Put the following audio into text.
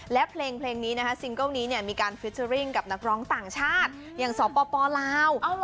และเพลงเพลงนี้นะคะซิงเกิ้ลนี้เนี้ยมีการกับนักร้องต่างชาติอย่างสอบป่อปอลาวเอาเหรอ